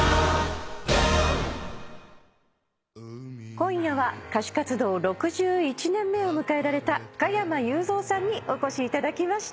今夜は歌手活動６１年目を迎えられた加山雄三さんにお越しいただきました。